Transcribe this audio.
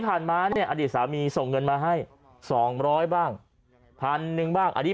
ผ่านมาเนี่ยอดีตสามีส่งเงินมาให้๒๐๐บ้างพันหนึ่งบ้างอันนี้